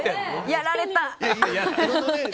やられた。